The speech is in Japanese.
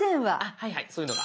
はいはいそういうのが。